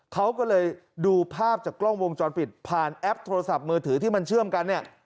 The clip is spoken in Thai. เขาก็เลยดูภาพจากกล้องวงจรปิดผ่านแอปโทรศัพท์มือถือที่มันเชื่อมกันเนี่ย